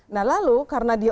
nah lalu karena dia